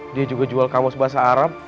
dia juga jual kaos bahasa arab